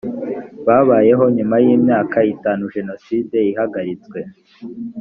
babayeho nyuma y imyaka itanu jenoside ihagaritswe